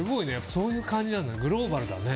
そういう感じなんだねグローバルだね。